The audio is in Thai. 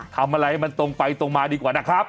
ทำอะไรมันตรงไปตรงมาดีกว่านะครับ